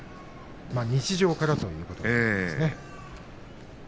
まあ日常からということですね。